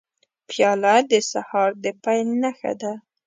پیاله د سهار د پیل نښه ده.